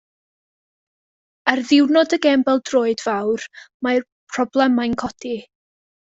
Ar ddiwrnod y gêm bêl-droed fawr, mae problemau'n codi.